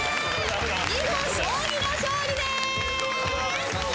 囲碁将棋の勝利です。